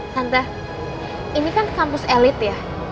hanta ini kan kampus elit ya